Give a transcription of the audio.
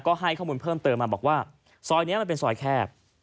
ก็ให้ข้อมูลเพิ่มเติมมาบอกว่าซอยนี้มันเป็นซอยแคบ